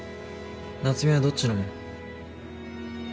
夏美はどっち飲む？